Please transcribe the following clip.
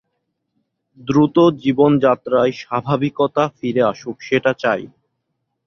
দ্রুত জীবনযাত্রায় স্বাভাবিকতা ফিরে আসুক, সেটা চায়।